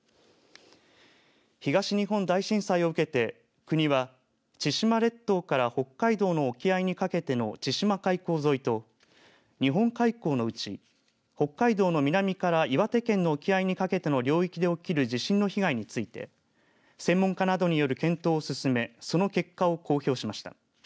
東日本大震災を受けて国は、千島列島から北海道の沖合にかけての千島海溝沿いと日本海溝のうち北海道の南から岩手県の沖合にかけての領域で起きる地震の被害について専門家などによる検討を進めその結果を公表しました。